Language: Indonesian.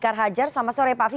ke dalam ruangan rekonstruksi